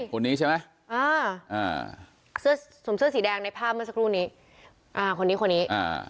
คนนี้ใช่ไหมอ่าอ่าเสื้อสวมเสื้อสีแดงในภาพเมื่อสักครู่นี้อ่าคนนี้คนนี้อ่า